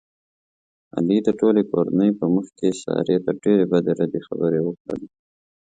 علي د ټولې کورنۍ په مخ کې سارې ته ډېرې بدې ردې خبرې وکړلې.